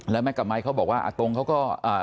แล้วแม็กกับไมค์เขาบอกว่าอาตงเขาก็